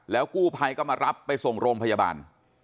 กู้ภัยก็มารับไปส่งโรงพยาบาล